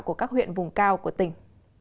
của các huyện vùng cao của tỉnh